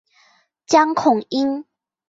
江孔殷。